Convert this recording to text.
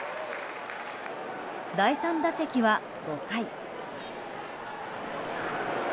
第３打席は５回。